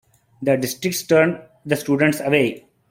The district turned the students away.